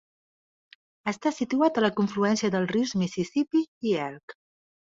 Està situat a la confluència dels rius Mississipí i Elk.